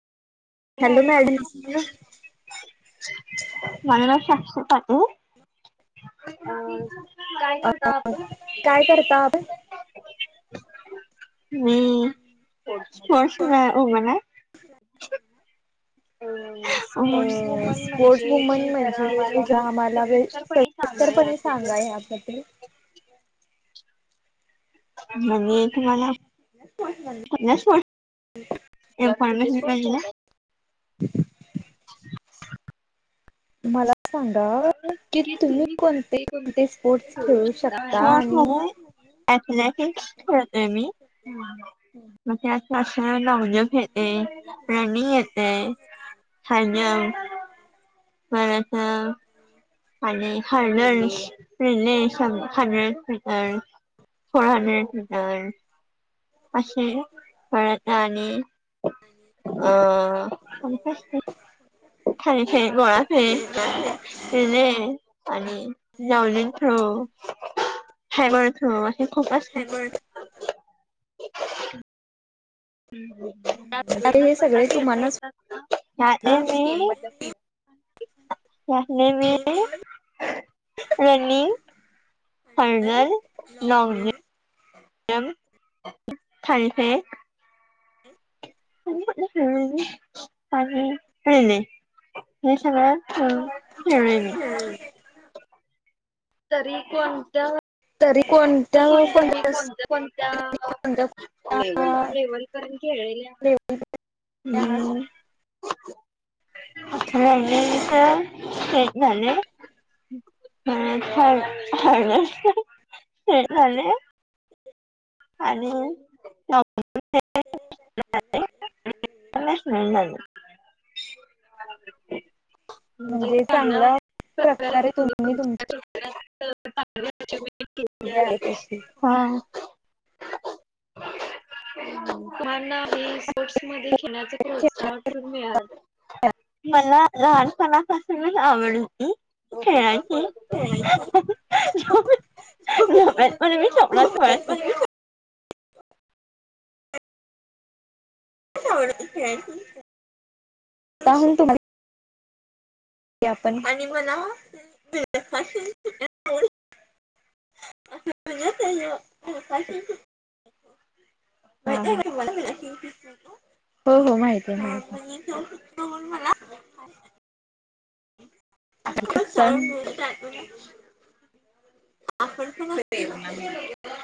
Madam मला ना [unintelligible] [unintelligible] काय करता आपण? काय करता आपण मी स्पोर्टला उभालाय हो अ वुमन स्पोर्ट्स म्हणजे वुमन तुम्ही जरा म्हणजे मी आम्हाला जर सविस्तरपणे सांगा या [unintelligible] असतं ते? म्हणे तुम्हाला पन्नास व पाणाचे पाहिजे ना [inaudible] [inaudible] मला सांगा की तुम्ही कोणते कोणते स्पोर्ट खेडू शकता? [unintelligible] अथलॅटिक्स खेळतोय मी, [unintelligible] मग त्यात [unintelligible] तय, प्राणी येतंय, [unintelligible] परत आणि [unintelligible] फोर हंड्रेड मीटर्स अशे खेळता आणि अ [unintelligible] थाळी फेक, गोळा फेक [unintelligible] आणि जाऊलिन थ्रो हो. हाय [unintelligible] थ्रो खूप असतात. हे सगळे तुमालाच [unintelligible] ता, यातले मी भांडे [unintelligible] [inaudible] [unintelligible] मी रनिंग हर्णल, लॉ [unintelligible] एम थाळीफेक [unintelligible] आणि [unintelligible] हे सगळ हं खेळले मी तरी कोणत्या? तरी कोणत्या [unintelligible] तुम्ही कोणत्या कोणत्या कोणत्या कोणत्या लेवलपर्यंत लेवलपर्यंत खेळलेल्या? लेवल [unintelligible] आहात हम्म. [unintelligible] नेमकं हेच झालंय. [unintelligible] हे झालंय. आणि [unintelligible] [unintelligible] [unintelligible] म्हणजे त्यांनला म्हणजे [unintelligible] चांगला प्रकारे तुमी तुम्ही तुमची तुमच्या क्षेत्रात आहे [unintelligible] तशी हा उम् तुमांना हे स्पोर्ट्स मध्ये [unintelligible] प्रोत्साहन कुठून मिळालं? मला लहानपणापासूनच आवड खेळायचं [unintelligible] झोपेत पण मी स्वप्नात पहात होत [unintelligible] काहून तुम्हाला [unintelligible] आपण आणि म्हणाव [unintelligible] [unintelligible] हा, माहिते काय तुम्हाला [unintelligible] हो हो माहितीये माहिते, [unintelligible] मला [unintelligible] [unintelligible] तूच सांग [unintelligible] आपण कुणा [unintelligible]